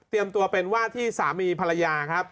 ตัวเป็นว่าที่สามีภรรยาครับ